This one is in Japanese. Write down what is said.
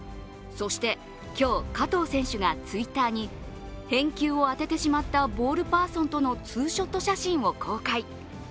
そして、今日、加藤選手がＴｗｉｔｔｅｒに返球をあててしまったボールパーソンとのツーショット写真を公開。